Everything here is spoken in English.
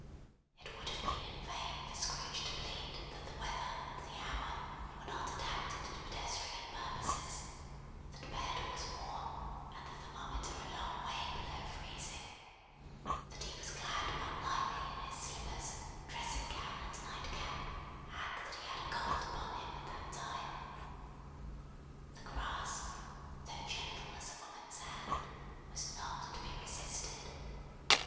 It would have been in vain for Scrooge to plead that the weather and the hour were not adapted to pedestrian purposes; that bed was warm, and the thermometer a long way below freezing; that he was clad but lightly in his slippers, dressing gown, and nightcap; and that he had a cold upon him at that time. The grasp, though gentle as a woman's hand, was not to be resisted.